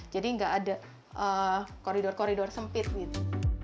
jadi nggak ada koridor koridor sempit gitu